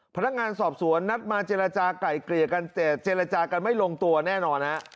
พนักงานสอบสวนนัดมาเจรจากลายเกลี่ยกันแต่เจรจากันไม่ลงตัวแน่นอนฮะ